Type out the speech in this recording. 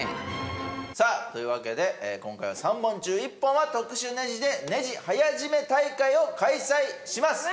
さあというわけで今回は３本中１本は特殊ネジでネジ早締め大会を開催します！